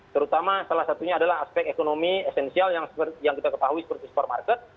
terutama salah satunya adalah aspek ekonomi esensial yang kita ketahui seperti supermarket